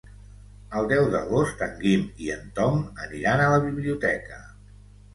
El deu d'agost en Guim i en Tom aniran a la biblioteca.